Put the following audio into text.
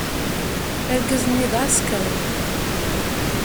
Argaz-nni d aɛsekriw.